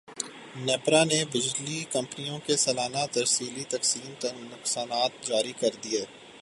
نیپرا نے بجلی کمپنیوں کے سالانہ ترسیلی تقسیمی نقصانات جاری کردیئے